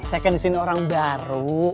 saya kan disini orang baru